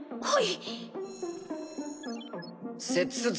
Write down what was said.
はい。